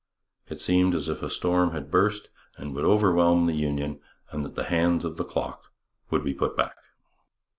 It seemed as if a storm had burst that would overwhelm the union and that the hands of the clock would be put back.